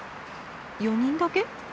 ４人だけ？